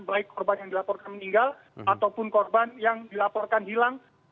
baik korban yang dilaporkan meninggal ataupun korban yang dilaporkan hilang